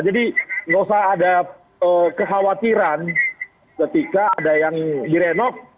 jadi nggak usah ada kekhawatiran ketika ada yang direnovasi